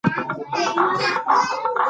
هغې وویل ماکرو جاذبه خوندور تجربه وه.